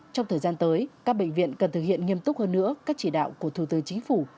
trong thời gian tới các bệnh viện cần thực hiện nghiêm túc hơn nữa các chỉ đạo của thủ tướng chính phủ